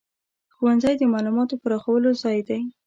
ښوونځی د معلوماتو پراخولو ځای دی.